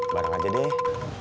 barang aja deh